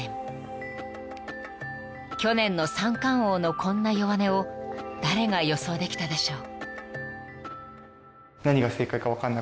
［去年の三冠王のこんな弱音を誰が予想できたでしょう］